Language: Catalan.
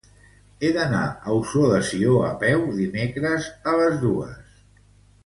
He d'anar a Ossó de Sió a peu dimecres a les dues.